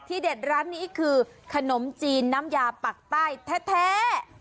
เด็ดร้านนี้คือขนมจีนน้ำยาปักใต้แท้